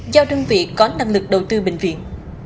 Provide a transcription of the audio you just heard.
giao đơn vị có năng lực đầu tư bệnh viện